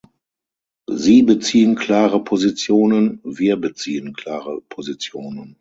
Sie beziehen klare Positionen, wir beziehen klare Positionen!